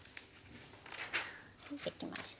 できました。